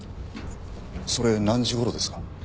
それ何時頃ですか？